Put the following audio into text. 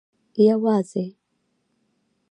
یوازي